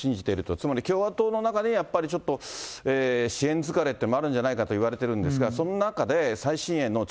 つまり共和党の中で、ちょっと支援疲れっていうものがあるんじゃないかといわれてるんですが、その中で最新鋭の地